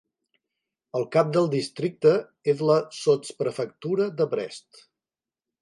El cap del districte és la sotsprefectura de Brest.